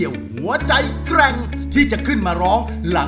สวัสดีครับ